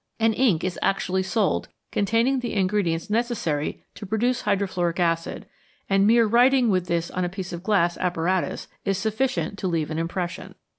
An " ink " is actually sold containing the ingredients necessary to produce hydrofluoric acid, and mere writing with this on a piece of glass apparatus is sufficient to leave an im pression.